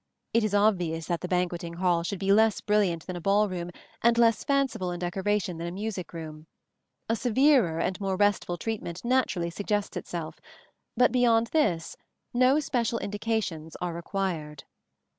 It is obvious that the banqueting hall should be less brilliant than a ball room and less fanciful in decoration than a music room: a severer and more restful treatment naturally suggests itself, but beyond this no special indications are required.